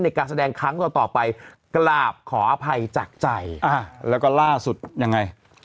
ในการแสดงครั้งต่อต่อไปกราบขออภัยจากใจอ่าแล้วก็ล่าสุดยังไง